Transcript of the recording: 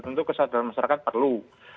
tentu kesadaran masyarakat perlu